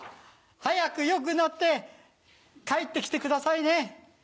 早く良くなって帰って来てくださいね。